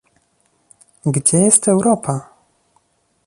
"Gdzie jest Europa?